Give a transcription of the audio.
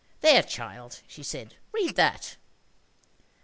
"There, child," she said, "read that."